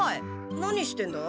何してんだ？